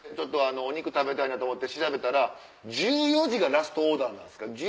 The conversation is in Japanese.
お肉食べたいなと思って調べたら１４時がラストオーダーなんですか？